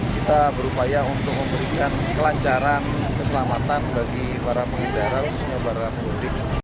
kita berupaya untuk memberikan kelancaran keselamatan bagi para pengendara khususnya para pemudik